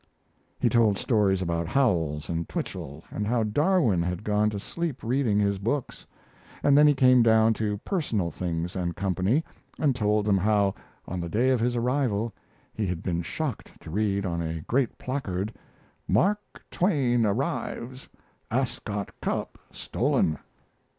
He told stories about Howells and Twichell, and how Darwin had gone to sleep reading his books, and then he came down to personal things and company, and told them how, on the day of his arrival, he had been shocked to read on a great placard, "Mark Twain Arrives: Ascot Cup Stolen."